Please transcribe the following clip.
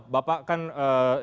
bapak kan ini juga sedang melakukan